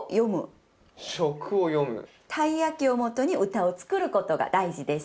たい焼きをもとに歌を作ることが大事です。